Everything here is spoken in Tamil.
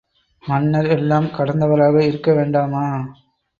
மன்னர் எல்லாம் கடந்தவராக இருக்க வேண்டாமா?